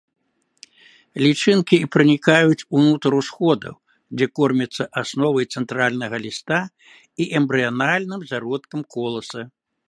Лічынкі пранікаюць унутр усходаў, дзе кормяцца асновай цэнтральнага ліста і эмбрыянальным зародкам коласа.